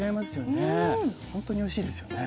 本当においしいですよね。